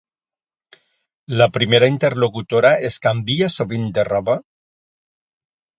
La primera interlocutora es canvia sovint de roba?